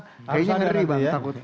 kayaknya ngeri bang